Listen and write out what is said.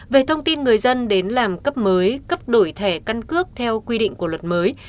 về thông tin người dân đến làm cấp mới cấp đổi thẻ căn cước theo quy định của luật mới